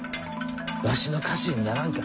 わしの家臣にならんか？